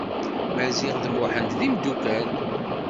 Maziɣ d Muḥend d imdukkal.